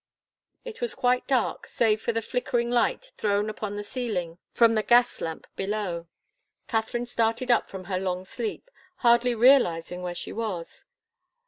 It was quite dark, save for the flickering light thrown upon the ceiling from the gas lamp below. Katharine started up from her long sleep, hardly realizing where she was.